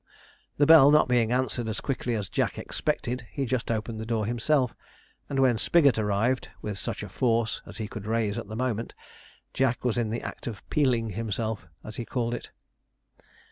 The bell not being answered as quickly as Jack expected, he just opened the door himself; and when Spigot arrived, with such a force as he could raise at the moment, Jack was in the act of 'peeling' himself, as he called it.